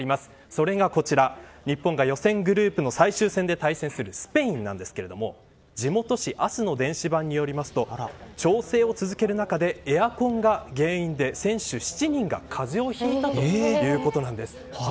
それが、こちら日本が予選グループの最終戦で対戦するスペインなんですが地元紙アスの電子版によると調整を続ける中でエアコンが原因で選手７人が風邪をひいたということなんです。